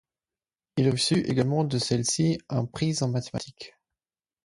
Il reçut également de celle-ci, un prix en mathématique.